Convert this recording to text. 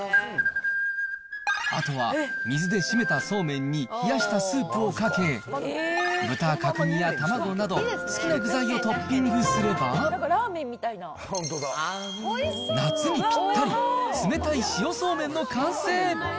あとは、水で締めたそうめんに冷やしたスープをかけ、豚角煮や卵など、好きな具材をトッピングすれば、夏にぴったり、冷たい塩そうめんの完成。